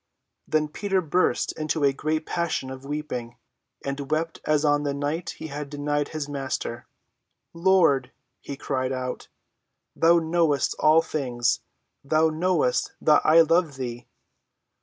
Then Peter burst into a great passion of weeping, and wept as on the night he had denied his Master. "Lord," he cried out, "thou knowest all things; thou knowest that I love thee!"